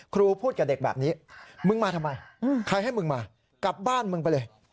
ครูพูดกับเด็กแบบนี้มึงมาทำไมใครให้มึงมากลับบ้านมึงไปเลย